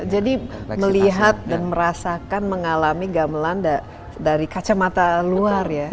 jadi melihat dan merasakan mengalami gamelan dari kacamata luar ya